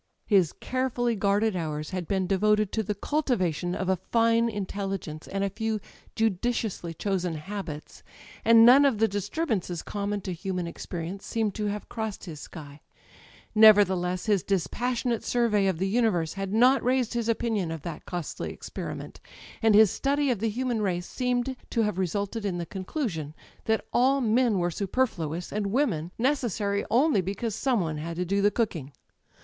His carefully guarded hours had been devoted to the cultivation of a fine intelligence and a few judiciously chosen habits; and none of the disturbances common to human experience seemed to have crossed his sky. Nevertheless, his dispassionate survey of the universe liad not raised his opinion of that costly experiment, and his study of the human race seemed to have resulted in the conclusion that all men were superfluous, and women necessary only because some one had to do the cook ing.